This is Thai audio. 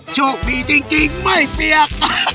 โชคดีจริงไม่เปียก